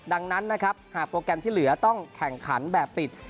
ดังนั้นนะครับหากโปรแกรมที่เหลือต้องแข่งขันแบบปิด